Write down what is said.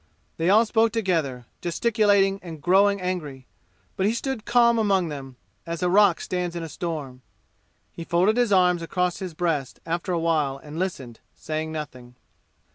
They all spoke together, gesticulating and growing angry; but he stood calm among them, as a rock stands in a storm. He folded his arms across his breast after a while and listened, saying nothing.